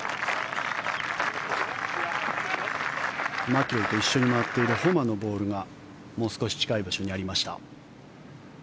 マキロイと一緒に回っているホマのボールがもう少し近い場所にありました。